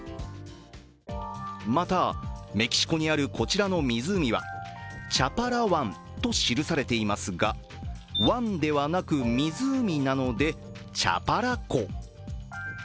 また、メキシコにあるこちらの湖はチャパラ湾と記されていますが、湾では湖なので、チャパラ湖。